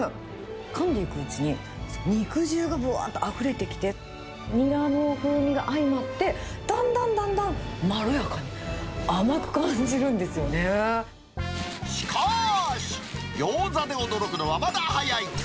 かんでいくうちに、肉汁がぶわーっとあふれてきて、ニラの風味と相まって、だんだんだんだんまろやかに、甘く感じるしかし、ギョーザで驚くのはまだ早い。